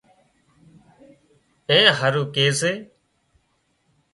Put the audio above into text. اين هارو ڪي سي